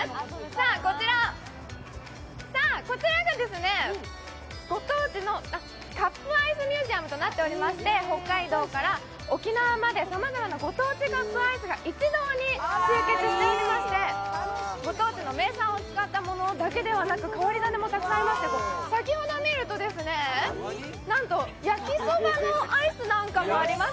こちらは、カップアイスミュージアムとなっていまして北海道から沖縄までさまざまなご当地カップアイスが一堂に集結しておりまして、ご当地の名産を使ったものだけではなく、変わり種もたくさんありまして先ほど見ると、なんと焼きそばのアイスなんかもあります。